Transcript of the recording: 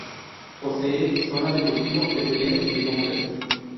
Posee zona de cultivo de cereales y legumbres.